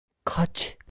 Kaç!